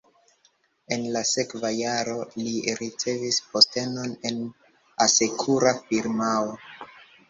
En la sekva jaro li ricevis postenon en asekura firmao.